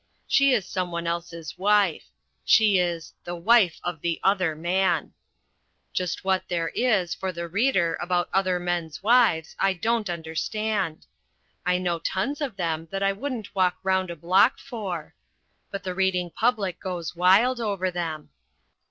She is some one else's wife. She is The Wife of the Other Man. Just what there is, for the reader, about other men's wives, I don't understand. I know tons of them that I wouldn't walk round a block for. But the reading public goes wild over them.